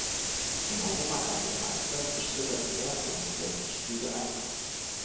Im Europacup der Meister bestritt er das erste und das letzte Spiel der Eintracht.